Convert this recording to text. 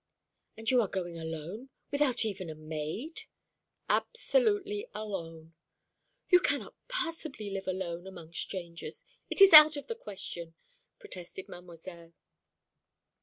"And you are going alone, without even a maid?" "Absolutely alone." "You cannot possibly live alone among strangers it is out of the question," protested Mademoiselle.